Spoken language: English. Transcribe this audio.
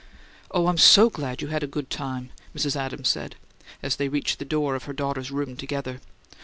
"Oh, I'm so glad you had a nice time," Mrs. Adams said, as they reached the door of her daughter's room together.